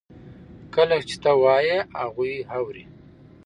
کله چې ته وایې هغوی اوري.